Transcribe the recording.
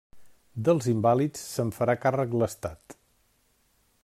Dels invàlids se'n farà càrrec l'Estat.